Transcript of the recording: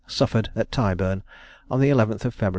suffered at Tyburn, on the 11th of Feb.